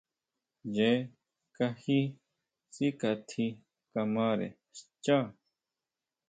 Ñee kaji síkʼatji kamare xchá.